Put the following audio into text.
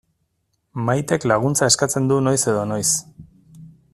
Maitek laguntza eskatzen du noiz edo noiz.